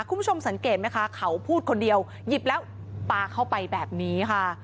คุณผู้ชมสังเกตไหมคะเขาพูดคนเดียวหยิบแล้วปลาเข้าไปแบบนี้ค่ะ